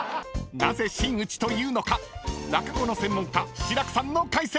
［なぜ真打というのか落語の専門家志らくさんの解説！］